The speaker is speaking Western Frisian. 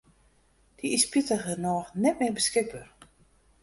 Dy is spitigernôch net mear beskikber.